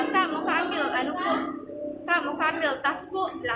kak mau kambil tasku